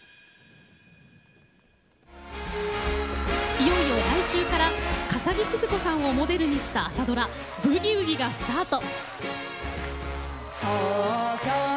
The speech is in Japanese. いよいよ来週から笠置シヅ子さんをモデルにした朝ドラ「ブギウギ」がスタート。